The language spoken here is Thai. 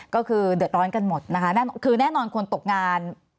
ก็คือเดือดร้อนกันหมดนะคะคือแน่นอนคนตกงาน